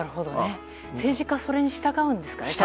政治家はそれに従うんですかね？